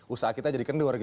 usaha kita jadi kendur